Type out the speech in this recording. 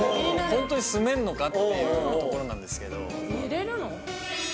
ホントに住めんのかっていうところなんですけど寝れるの？